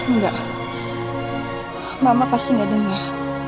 nggak mama pasti gak denger